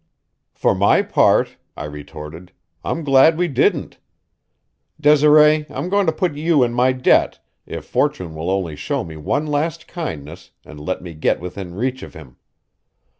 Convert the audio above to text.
"For my part," I retorted, "I'm glad we didn't. Desiree, I'm going to put you in my debt, if fortune will only show me one last kindness and let me get within reach of him."